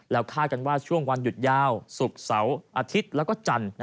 คาดกันว่าช่วงวันหยุดยาวศุกร์เสาร์อาทิตย์แล้วก็จันทร์